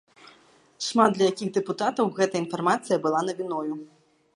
Шмат для якіх дэпутатаў гэтая інфармацыя была навіною.